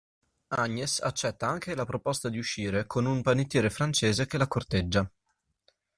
Agnes accetta anche la proposta di uscire con un panettiere francese che la corteggia.